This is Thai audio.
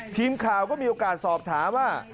ทีมข่าวก็มีโอกาสสอบถามว่า